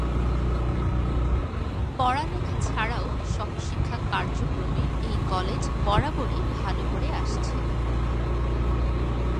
পড়ালেখা ছাড়াও সহশিক্ষা কার্যক্রমে এই কলেজ বরাবরই ভালো করে আসছে।